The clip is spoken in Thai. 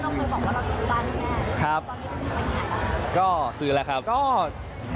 เราเคยบอกว่าเราซื้อบ้านแม่งครับตอนนี้ต้องซื้อบ้านใหญ่หรือเปล่า